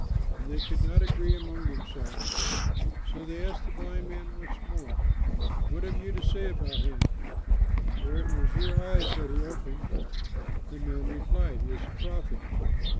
And they could not agree among themselves. So they asked the blind man once more, "What have you to say about him, for it was your eyes that he opened?" The man replied, "He is a prophet."